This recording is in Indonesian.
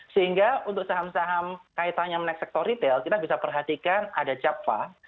sehingga untuk saham saham kaitannya menaik sektor retail kita bisa perhatikan ada jabva